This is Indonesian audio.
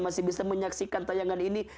masih bisa menyaksikan tayangan ini